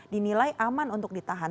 dinilai aman untuk ditahan